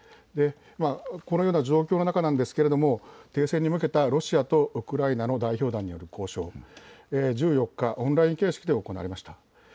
このような状況の中なんですが停戦に向けたロシアとウクライナの代表団による交渉、１４日、オンライン形式で行われました。